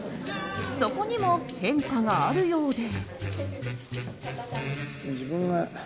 そこにも変化があるようで。